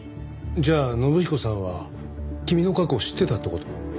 じゃあ信彦さんは君の過去を知ってたって事？